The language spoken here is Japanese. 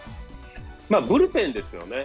ブルペンですよね。